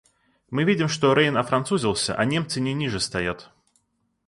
Мы видим, что Рейн офранцузился, а Немцы не ниже стоят!